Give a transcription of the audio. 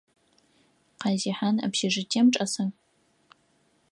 Къазихъан общежитием чӏэса?